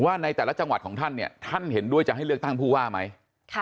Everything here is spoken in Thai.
ในแต่ละจังหวัดของท่านเนี่ยท่านเห็นด้วยจะให้เลือกตั้งผู้ว่าไหม